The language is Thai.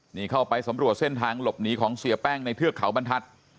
นี่เข้าไปสำรวจเส้นทางหลบหนีของเสียแป้งในเทือกเขาบรรทัศน์